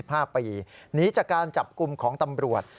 หนีจากการจับกลุ่มของตำรวจ